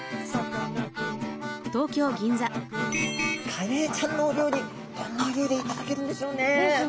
カレイちゃんのお料理どんなふうで頂けるんでしょうね。